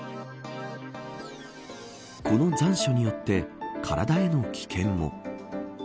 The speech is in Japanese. この残暑によって体への危険も。